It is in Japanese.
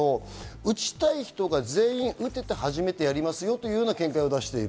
打ちたい人が全員打てて初めてやりますよという見解を出している。